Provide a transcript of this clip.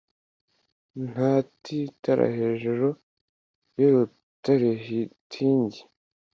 Ntatitara hejuru yurutarehitingi